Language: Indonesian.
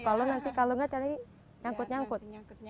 kalau nanti kalau enggak tadi nyangkut nyangkut